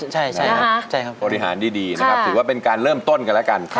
ใช่ครับบริหารดีนะครับถือว่าเป็นการเริ่มต้นกันแล้วกัน